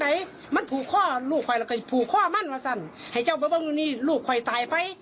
ไหนมันผูกข้อลูกไข่แล้วก็ผูกข้อมั่นว่ะสันให้เจ้าบ้าบ้างดูนี่ลูกไข่ตายไป